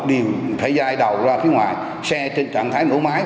đều phải dai đầu ra phía ngoài xe trên trạng thái nổ máy